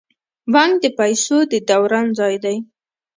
بانک د پیسو د دوران ځای دی